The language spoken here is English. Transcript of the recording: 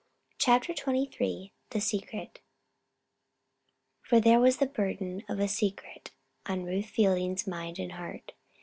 CHAPTER XXIII THE SECRET For there was the burden of a secret on Ruth Fielding's mind and heart.